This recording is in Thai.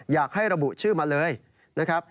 อยากให้ระบุชื่อมาเลยนะครับ